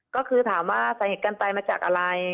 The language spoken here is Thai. ก็คือถามว่าสาเหตุการณ์ตายมาจากอะไร